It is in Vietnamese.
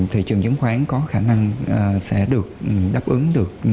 thị trường chứng khoán có khả năng sẽ được đáp ứng được